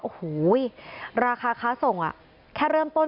โอ้โหราคาค้าส่งแค่เริ่มต้น